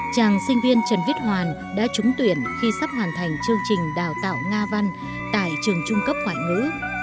chàng sinh viên trần viết hoàn đã trúng tuyển khi sắp hoàn thành chương trình đào tạo nga văn tại trường trung cấp ngoại ngữ